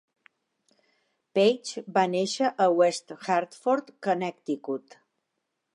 Paige va néixer a West Hartford, Connecticut.